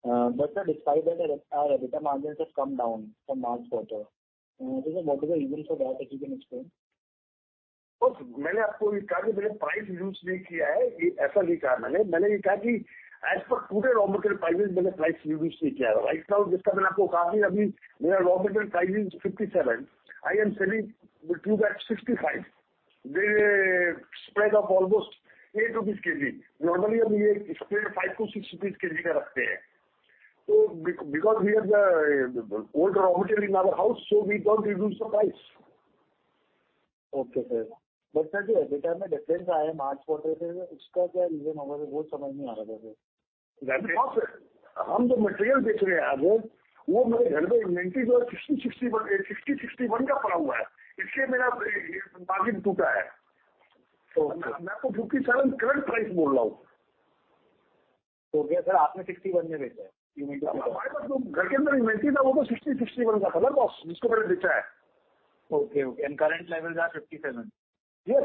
Sir despite that our EBITDA margins have come down from last quarter. What is the reason for that, if you can explain? Boss, maine aapko ye kaha ki maine price reduce nahi kiya hai. Ye aisa nahi kaha maine. Maine ye kaha ki as per current raw material prices maine price reduce nahi kiya hai. Right now jiska maine aapko kaha ki abhi mera raw material price is INR 57. I am selling the tube at INR 65. There is a spread of almost INR 8/kg. Normally ab ye spread 5-6 rupees/kg rakhte hai. Because we have the old raw material in our house, so we don't reduce the price. Okay, sir. Sir ji EBITDA mein difference aaya hai March quarter se. Uska kya reason hoga sir, woh samajh nahi aa raha hai sir. That boss, hum jo material bech rahe hai aaj woh mere ghar pe inventory jo hai 60, 61 ka pada hua hai. Isliye mera margin tuta hai. Okay. Main toh INR 67 current price bol raha hu. Theek hai sir, aapne 61 mein becha hai. Mere paas ghar ke andar inventory tha woh toh 60-61 ka tha na boss jisko maine becha hai. Okay. Current levels are 57. Yes.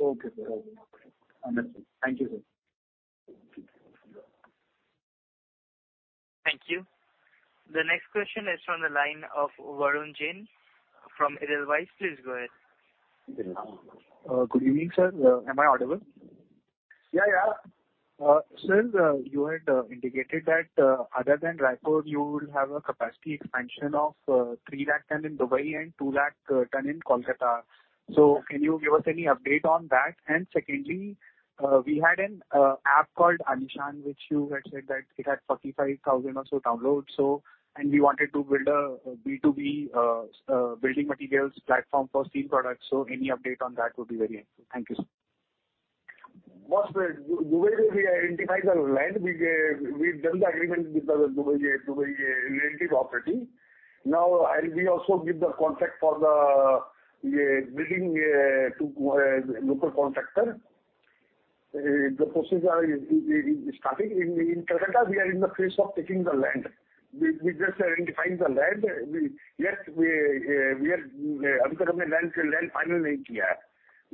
Okay sir, understood. Thank you, sir. Thank you. The next question is from the line of Varun Jain from Edelweiss. Please go ahead. Good evening sir. Am I audible? Yeah, yeah. Sir, you had indicated that, other than Raipur, you will have a capacity expansion of 300,000 tons in Dubai and 200,000 tons in Kolkata. Can you give us any update on that? Secondly, we had an app called Aalishaan, which you had said that it had 45,000 or so downloads, so and we wanted to build a B2B building materials platform for steel products. Any update on that would be very helpful. Thank you, sir. Boss, in Dubai we identify the land. We've done the agreement with the Dubai real estate property. Now I'll also give the contract for the building to local contractor. The process is starting. In Kolkata, we are in the phase of taking the land. We're just identifying the land. Yes, we're in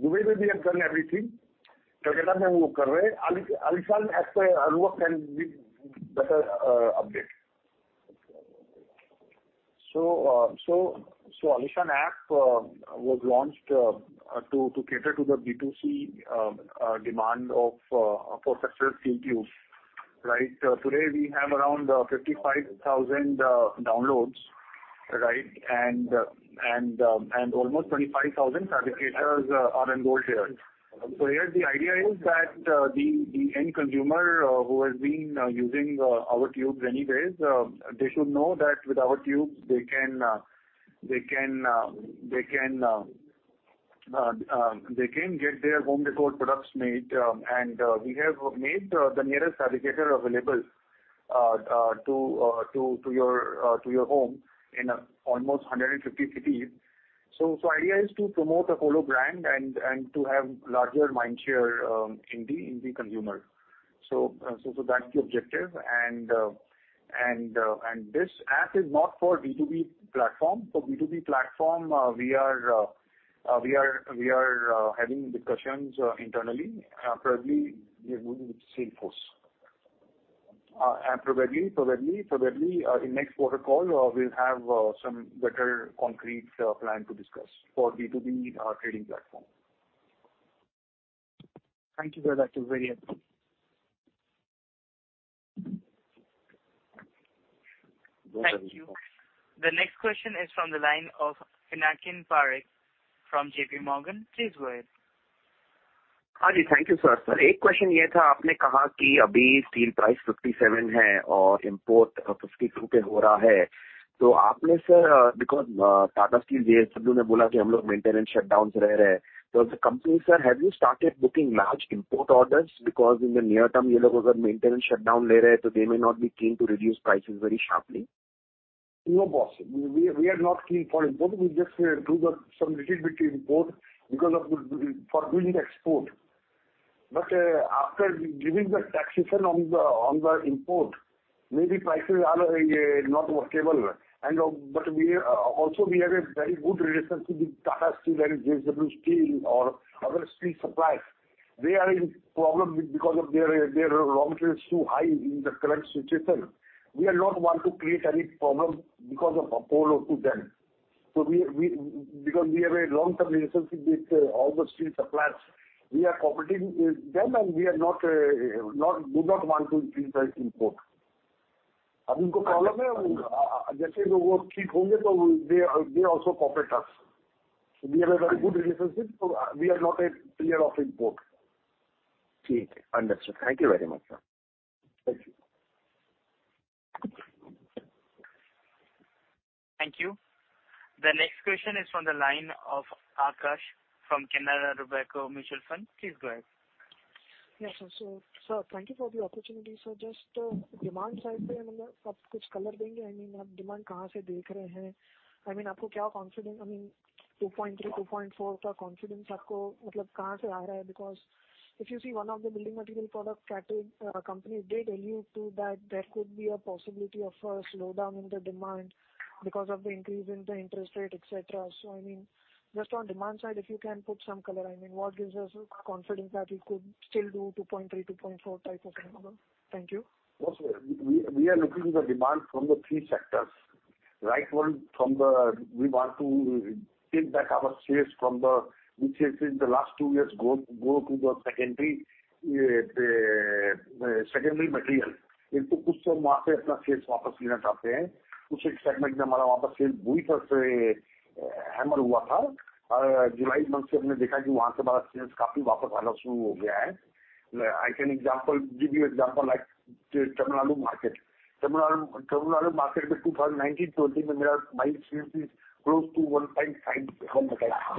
Dubai, we have done everything. Aalishaan app, Anubhav can give better update. Aalishaan app was launched to cater to the B2C demand for structural steel tubes, right? Today we have around 55,000 downloads, right? And almost 25,000 fabricators are enrolled here. Here the idea is that the end consumer who has been using our tubes anyways they should know that with our tubes they can get their home decor products made. We have made the nearest fabricator available to your home in almost 150 cities. Idea is to promote Apollo brand and to have larger mind share in the consumer. That's the objective. This app is not for B2B platform. For B2B platform, we are having discussions internally. Probably we are moving with Salesforce. Probably in next quarter call, we'll have some better concrete plan to discuss for B2B trading platform. Thank you, sir. That is very helpful. Thank you. The next question is from the line of Pinakin Parekh from JPMorgan. Please go ahead. Hi. Thank you, sir. Sir, a question here. Tata Steel JSW ne bola ki hum log maintenance shutdowns le rahe hai. As a company, sir, have you started booking large import orders? In the near term ye logo agar maintenance shutdown le rahe hai, they may not be keen to reduce prices very sharply. No, boss. We are not keen for import. We just do some little bit import because of the for doing the export. After giving the taxation on the import, maybe prices are not workable. But we also have a very good relationship with Tata Steel and JSW Steel or other steel suppliers. They are in problem because of their raw material is too high in the current situation. We are not want to create any problem because of Apollo to them. Because we have a long-term relationship with all the steel suppliers. We are cooperating with them, and we do not want to increase import price. Ab inko problem hai. Jaise hi woh thik honge toh they also cooperate us. We have a very good relationship, so we are not scared of import. Okay. Understood. Thank you very much, sir. Thank you. Thank you. The next question is from the line of [Akash Pawar] from Canara Robeco Mutual Fund. Please go ahead. Yes, sir. Sir, thank you for the opportunity, sir. Just demand side pe, I mean, aap kuch color denge? I mean, aap demand kahan se dekh rahe hai? I mean, aapko kya confidence, I mean, 2.3, 2.4 ka confidence aapko matlab kahan se aa raha hai? Because if you see one of the building material product category, company did allude to that there could be a possibility of a slowdown in the demand because of the increase in the interest rate, et cetera. I mean, just on demand side, if you can put some color, I mean, what gives us confidence that we could still do 2.3, 2.4 type of number? Thank you. Of course. We are looking at the demand from the three sectors. Right. One from the we want to take back our shares from the which has in the last two years go to the secondary material. Inko kuch toh wahan se apna shares wapas lena chahte hai. Usse segment mein humara sales bahut se hammered hua tha. Aur July month se humne dekha ki wahan se bada sales kaafi wapas aana shuru ho gaya hai. I can give you example like Tamil Nadu market. Tamil Nadu market mein in 2019-20 my sales was close to 1.5 lakh tons.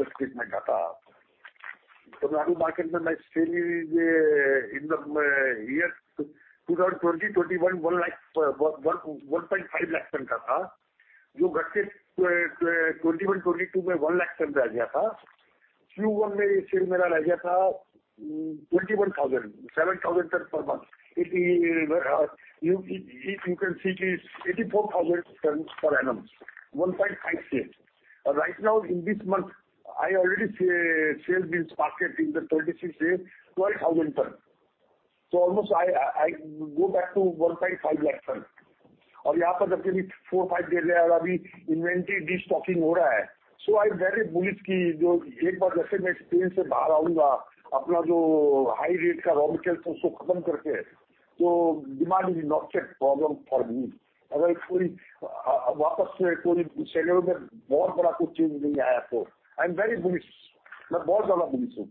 Just wait main aata hu. Tamil Nadu market mein my sales in the year 2020-21, 1.5 lakh tons ka tha. Jo ghate 21, 22 mein 1 lakh ton pe aa gaya tha. Q1 mein ye sale mera reh gaya tha, 21,000, 7,000 ton per month. If you can see it is 84,000 tons per annum, 1.5 sales. Right now in this month I already sales this market in the 36 days, 12,000 ton. So almost I go back to 1.5 lakh ton. Aur yaha par abhi 4, 5 days rahe hai aur abhi inventory destocking ho raha hai. I'm very bullish ki jo ek baar jaise main pain se bahar aaunga apna jo high rate ka raw material tha usko khatam karke, toh demand is not a problem for me. Agar koi wapas se koi segment mein bahut bada kuch change nahi aaya toh I'm very bullish. Main bahut zyada bullish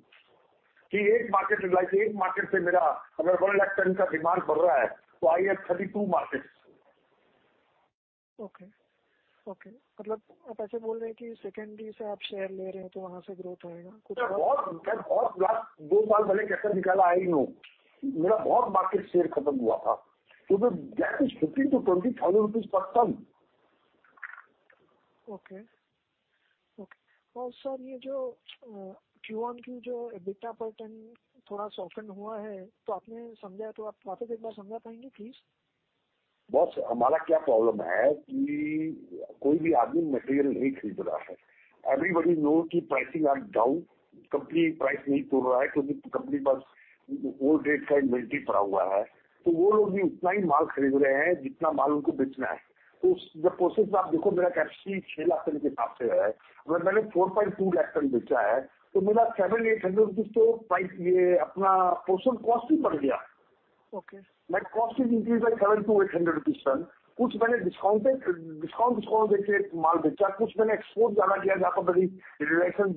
hu. Ki ek market like ek market se mera agar 1 lakh ton ka demand badh raha hai, toh I have 32 markets. मतलब आप ऐसे बोल रहे हैं कि secondary से आप share ले रहे हो तो वहां से growth आएगा। Kuch bohot last 2 saal maine cash nikala, I know, mera bohot market share khatam hua tha to the gap is INR 15,000-INR 20,000 per ton. Sir, ये जो Q1 की जो EBITDA per ton थोड़ा soften हुआ है तो आपने समझाया तो आप वापस एक बार समझा पाएंगे please. Boss हमारा क्या problem है कि कोई भी आदमी material नहीं खरीद रहा है। Everybody know कि pricing are down, company price नहीं तोल रहा है क्योंकि company के पास old date का inventory पड़ा हुआ है, तो वो लोग भी उतना ही माल खरीद रहे हैं जितना माल उनको बेचना है। तो the process आप देखो, मेरा capacity छह लाख ton के हिसाब से है। अगर मैंने 4.2 लाख ton बेचा है तो मेरा seven-eight hundred rupees तो price, ये अपना process cost ही बढ़ गया। Okay. My cost is increased by 700-800 rupees per ton. कुछ मैंने discount देके माल बेचा। कुछ मैंने export ज्यादा किया जहाँ पर मेरी relations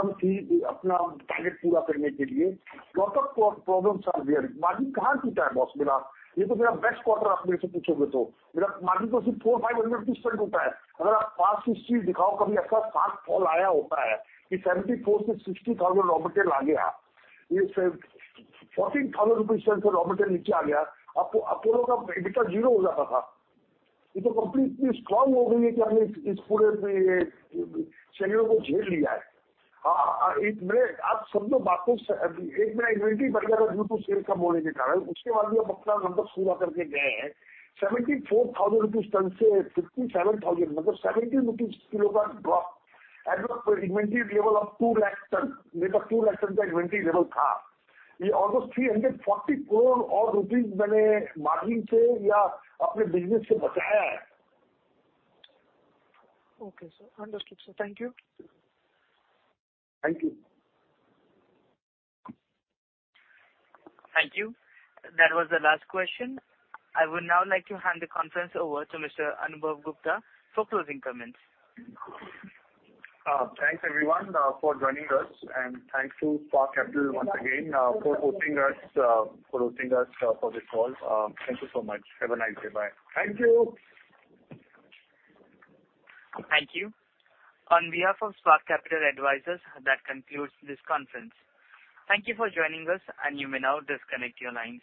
कम थी। अपना target पूरा करने के लिए lot of problem solve किया। Margin कहाँ टूटा है boss मेरा? ये तो मेरा best quarter है आप मेरे से पूछोगे तो। मेरा margin तो सिर्फ ₹400-500 per tonne टूटा है। अगर आप past history दिखाओ कभी ऐसा sharp fall आया होता है कि ₹74,000 से ₹60,000 raw material आ गया। ये ₹14,000 per ton raw material नीचे आ गया। आपको APL Apollo का EBITDA zero हो जाता था। ये तो company इतनी strong हो गई है कि हमने इस पूरे share को झेल लिया है। एक मिनट, आप सब लोग बातों, एक मिनट, inventory बढ़ा रखा है due to sales कम होने के कारण। उसके बाद भी हम अपना number पूरा करके गए हैं। ₹74,000 per ton से ₹57,000 मतलब ₹17 per kilo का drop, as well inventory level of 2 lakh ton, मेरे पास 2 लाख ton का inventory level था। ये almost ₹340 crore rupees मैंने margin से या अपने business से बचाया है। Okay, sir. Understood, sir. Thank you. Thank you. Thank you. That was the last question. I would now like to hand the conference over to Mr. Anubhav Gupta for closing comments. Thanks everyone for joining us and thanks to Spark Capital once again for hosting us for this call. Thank you so much. Have a nice day. Bye. Thank you. Thank you. On behalf of Spark Capital Advisors, that concludes this conference. Thank you for joining us and you may now disconnect your lines.